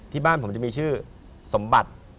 ที่บ้านผมจะมีชื่อสมบัติ